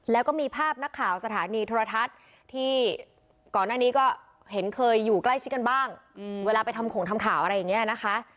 แล้วก็มีภาพนักข่าวสถานีโทรทัศน์ที่ก่อนหน้านี้ก็เห็นเคยอยู่ใกล้ชิดกันบ้างเวลาไปทำขงทำข่าวอะไรอย่างนี้นะคะ